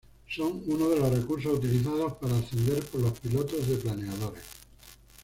Son uno de los recursos utilizados para ascender por los pilotos de planeadores.